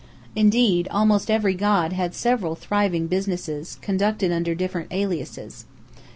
Indeed, almost every god had several thriving businesses, conducted under different aliases.